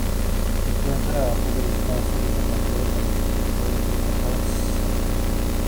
Se encuentra a poca distancia de la frontera con el estado de Baja Sajonia.